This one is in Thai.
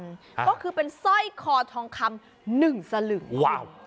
ก็คือเป็นสร้อยคอทองคำหนึ่งสลึงว้าว